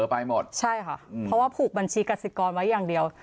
ไปหมดใช่ค่ะเพราะว่าผูกบัญชีกสิกรไว้อย่างเดียว